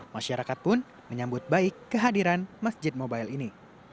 masyarakat pun menyambut baik kehadiran masjid mobile ini